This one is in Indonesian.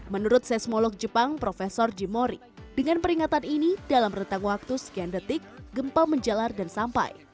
menurut seismolog jepang prof jimori dengan peringatan ini dalam rentang waktu sekian detik gempa menjalar dan sampai